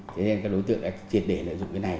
thế nên các đối tượng đã triệt để lợi dụng cái này